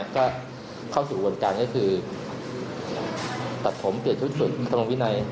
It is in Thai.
ก็เข้าสู่วันกลางคือตัดผมเปลี่ยนทุกสมัครวินัย